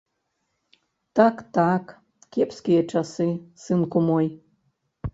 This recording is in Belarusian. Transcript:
Так, так, кепскія часы, сынку мой!